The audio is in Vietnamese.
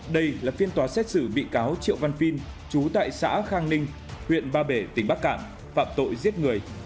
đây là phiên tòa xét xử bị cáo triệu văn phiên chú tại xã khang ninh huyện ba bể tỉnh bắc cạn phạm tội giết người